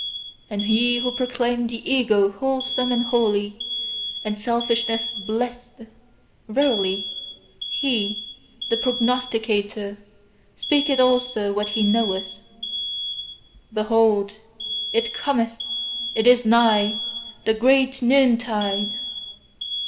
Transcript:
And he who proclaimeth the EGO wholesome and holy, and selfishness blessed, verily, he, the prognosticator, speaketh also what he knoweth: "BEHOLD, IT COMETH, IT IS NIGH, THE GREAT NOONTIDE!"